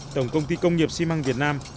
tổng công ty công nghiệp si măng việt nam